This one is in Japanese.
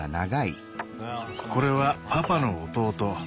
これはパパの弟